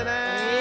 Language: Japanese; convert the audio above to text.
え？